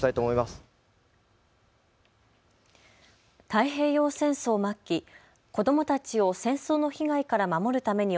太平洋戦争末期、子どもたちを戦争の被害から守るために